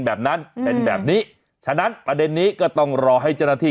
แบบนั้นเป็นแบบนี้ฉะนั้นประเด็นนี้ก็ต้องรอให้เจ้าหน้าที่